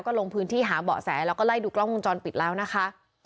ลงพื้นที่หาเบาะแสแล้วก็ไล่ดูกล้องวงจรปิดแล้วนะคะ